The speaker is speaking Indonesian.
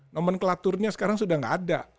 nomenklaturnya sekarang sudah tidak ada